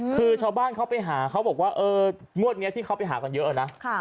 คือชาวบ้านเขาไปหาเขาบอกว่าเอองวดนี้ที่เขาไปหากันเยอะนะ